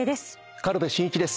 軽部真一です。